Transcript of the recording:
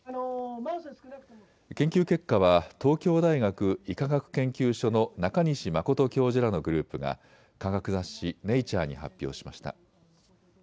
研究結果は東京大学医科学研究所の中西真教授らのグループが科学雑誌、ネイチャーに発表しました。